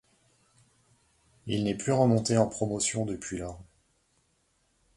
Il n'est plus remonté en Promotion depuis lors.